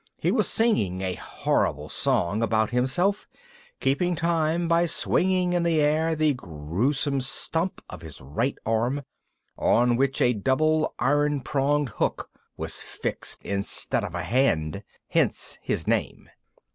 He was singing a horrible song about himself, keeping time by swinging in the air the gruesome stump of his right arm, on which a double iron pronged hook was fixed instead of a hand. Hence his name.